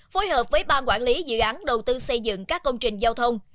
phối hợp với ban quản lý dự án đầu tư xây dựng các công trình giao thông